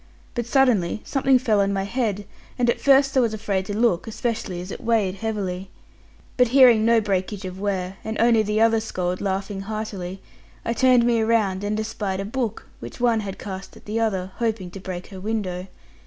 But suddenly something fell on my head; and at first I was afraid to look, especially as it weighed heavily. But hearing no breakage of ware, and only the other scold laughing heartily, I turned me about and espied a book, which one had cast at the other, hoping to break her window.